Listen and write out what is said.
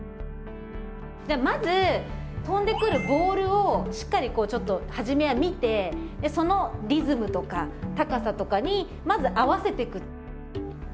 じゃあまず飛んでくるボールをしっかりこうちょっと初めは見てそのリズムとか高さとかにまず合わせてく。